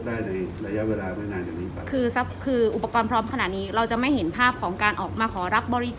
การออกมาขอรับบริจาคตามอะไรอย่างนี้แล้วใช่ไหมครับ